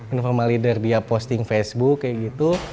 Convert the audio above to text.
informal leader dia posting facebook kayak gitu